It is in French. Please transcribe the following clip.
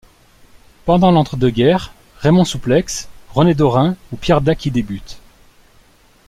Pendant l'entre-deux guerres, Raymond Souplex, René Dorin ou Pierre Dac y débutent.